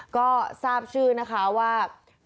ก็ทราบชื่อนะคะว่า